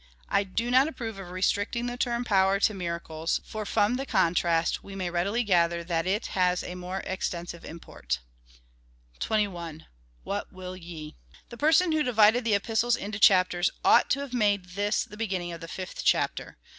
I do not approve of restricting the term power to miracles, for from the contrast we may readily gather that it has a more exten sive import. 21. What will ye ? The person who divided the Ejjistles into chapters ought to have made this the beginning of the fifth chapter.